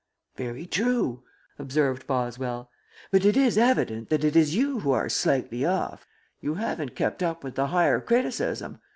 "Very true," observed Boswell, "but it is evident that it is you who are slightly off. You haven't kept up with the higher criticism.